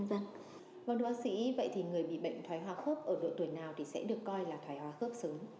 vâng đối với bác sĩ vậy thì người bị bệnh thói hóa khớp ở độ tuổi nào thì sẽ được coi là thói hóa khớp sớm